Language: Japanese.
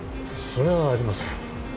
それはありません